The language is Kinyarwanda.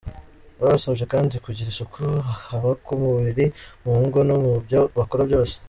Babasabye kandi kugira isuku haba ku mubiri, mu ngo no mu byo bakora byose.